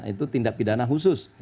itu tindak pidana khusus